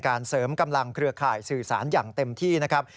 เสริมกำลังเครือข่ายสื่อสารอย่างเต็มที่นะครับ